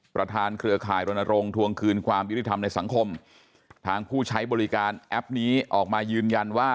เครือข่ายรณรงค์ทวงคืนความยุติธรรมในสังคมทางผู้ใช้บริการแอปนี้ออกมายืนยันว่า